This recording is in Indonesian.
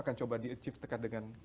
akan coba diachieve dekat dengan